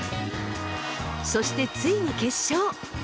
そしてついに決勝。